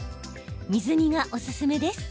水煮がおすすめです。